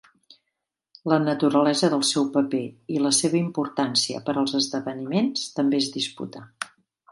La naturalesa del seu paper i la seva importància per als esdeveniments també es disputa.